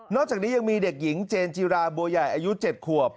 จากนี้ยังมีเด็กหญิงเจนจิราบัวใหญ่อายุ๗ขวบ